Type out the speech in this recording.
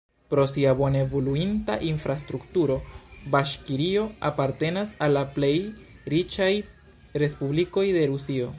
Pro sia bone evoluinta infrastrukturo Baŝkirio apartenas al la plej riĉaj respublikoj de Rusio.